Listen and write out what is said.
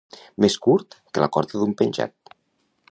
Més curt que la corda d'un penjat.